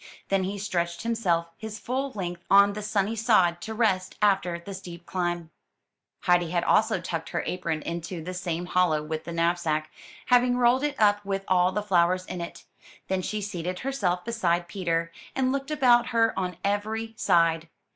Then he stretched him self his full length on the sunny sod, to rest after the steep climb. Heidi had also tucked her apron into the same hollow with the knapsack, having rolled it up with all the flowers in it; then she seated herself beside Peter, and looked about her on every side.